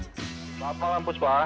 selamat malam puspa